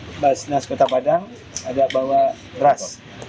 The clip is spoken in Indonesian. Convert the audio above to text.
di basnas kota padang ada bawa beras